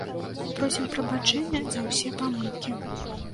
Просім прабачэння за ўсе памылкі.